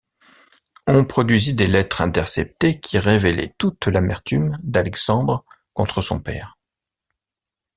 On produisit des lettres interceptées qui révélaient toute l'amertume d'Alexandre contre son père.